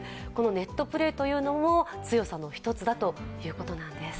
ネットプレーというのも強さの一つだということなんです。